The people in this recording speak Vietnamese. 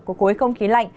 của cối không khí lạnh